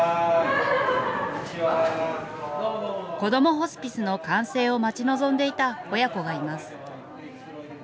こどもホスピスの完成を待ち望んでいた親子がいます。